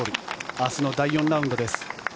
明日の第４ラウンドです。